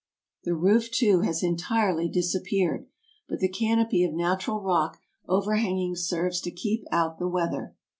The roof, too, has entirely disappeared, but the canopy of natural rock overhanging serves to keep out the weather.